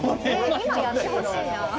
今やってほしいな。